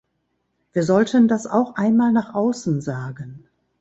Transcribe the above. Wir sollten das auch einmal nach außen sagen.